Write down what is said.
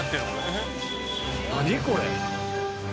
何これ。